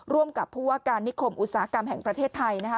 ร่วมกับผู้ว่าการนิคมอุตสาหกรรมแห่งประเทศไทยนะคะ